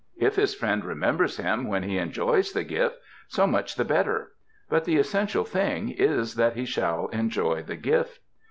If his friend remembers him when he enjoys the gift, so much the better. But the essential thing is that he shall enjoy the gift.